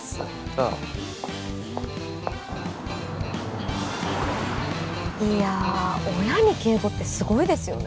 ああいやあ親に敬語ってすごいですよね